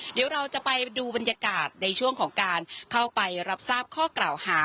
เดี๋ยวเราจะไปดูบรรยากาศในช่วงของการเข้าไปรับทราบข้อกล่าวหา